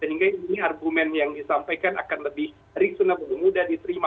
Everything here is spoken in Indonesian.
sehingga ini argumen yang disampaikan akan lebih reasonable mudah diterima